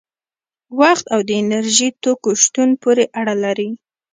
وخت او د انرژي توکو شتون پورې اړه لري.